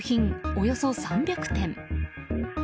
およそ３００点。